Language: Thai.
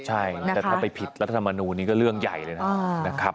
ใช่แต่ถ้าไปผิดรัฐธรรมนูลนี้ก็เรื่องใหญ่เลยนะครับ